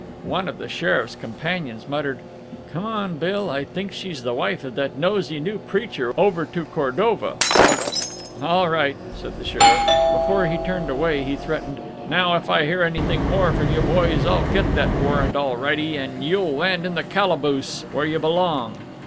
One of the sheriff's companions muttered: "Come on, Bill. I think she's the wife of that nosey new preacher over to Cordova." "All right," said the sheriff. Before he turned away he threatened, "Now if I hear of anything more from you boys, I'll get that warrant, all righty, and you'll land in the calaboose, where you belong."